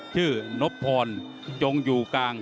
ชื่อนัตภพงศ์จงอยู่กลาง